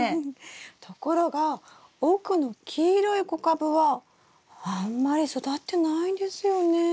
ところが奥の黄色い小カブはあんまり育ってないんですよね。